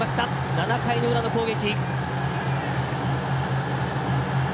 ７回の裏の攻撃。